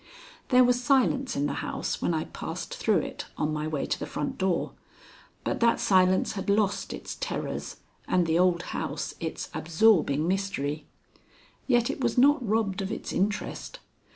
There was silence in the house when I passed through it on my way to the front door. But that silence had lost its terrors and the old house its absorbing mystery. Yet it was not robbed of its interest.